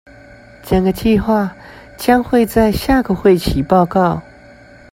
整個計畫將會在下個會期報告